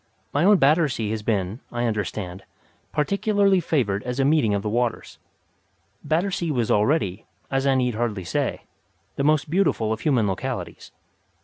My own Battersea has been, I understand, particularly favoured as a meeting of the waters. Battersea was already, as I need hardly say, the most beautiful of human localities.